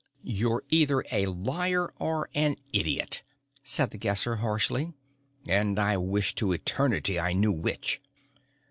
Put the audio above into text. "You're either a liar or an idiot," said The Guesser harshly, "and I wish to eternity I knew which!"